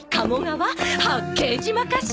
八景島かしら？